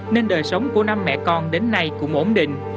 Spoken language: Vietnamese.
nên đời sống của năm mẹ con đến nay cũng ổn định